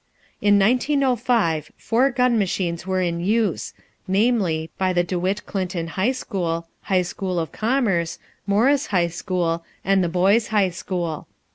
In 1905 four gun machines were in use, namely, by the De Witt Clinton High School, High School of Commerce, Morris High School, and the Boys' High School.